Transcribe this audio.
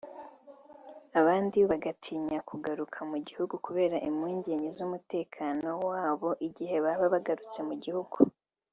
abandi bagatinya kugaruka mu gihugu kubera impungenge z’ umutekano wabo igihe baba bagarutse mu gihugu